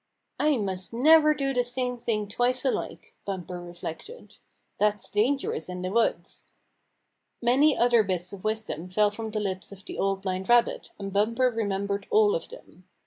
" I must never do the same thing twice alike," Bumper reflected. "That's dangerous in the woods." Many other bits of wisdom fell from the lips of the Old Blind Rabbit, and Bumper remem bered all of them.